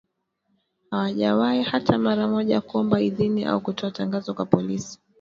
Hawajawahi hata mara moja kuomba idhini au kutoa tangazo kwa polisi